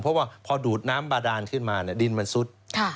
เพราะว่าพอดูดน้ำบาดานขึ้นมาดินมันซุด